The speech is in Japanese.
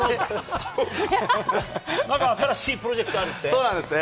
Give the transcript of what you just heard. なんか新しいプロジェクトあるっそうなんです。